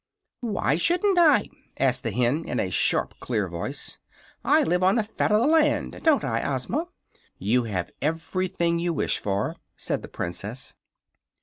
"Why shouldn't I?" asked the hen, in a sharp, clear voice. "I live on the fat of the land don't I, Ozma?" "You have everything you wish for," said the Princess.